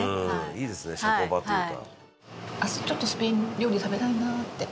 いいですね社交場というか。